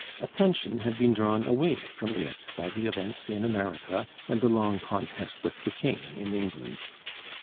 Attention had been drawn away from it by the events in America and the long contest with the King in England.